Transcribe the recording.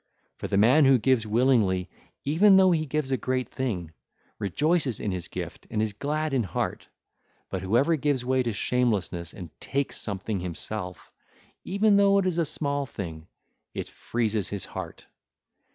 For the man who gives willingly, even though he gives a great thing, rejoices in his gift and is glad in heart; but whoever gives way to shamelessness and takes something himself, even though it be a small thing, it freezes his heart.